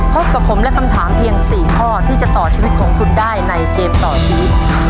พบกับผมและคำถามเพียง๔ข้อที่จะต่อชีวิตของคุณได้ในเกมต่อชีวิต